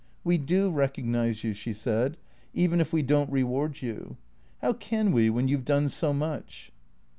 " We do recognize you," she said, " even if we don't reward you. How can we, when you 've done so much